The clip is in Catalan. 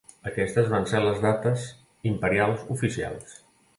Aquestes van ser les dates imperials oficials.